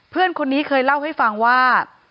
เพื่อนคนนี้เคยเล่าให้ฟังว่า